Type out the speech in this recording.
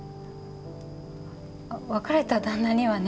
別れた旦那にはね